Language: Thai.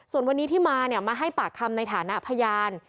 ส่วนวันนี้ที่มามาให้ปากคำในฐานะพยาน